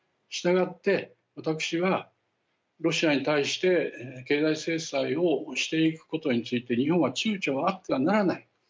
したがって、私はロシアに対して経済制裁をしていくことについて日本はちゅうちょがあってはならない。